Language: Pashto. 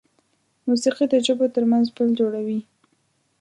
موسیقي د ژبو تر منځ پل جوړوي.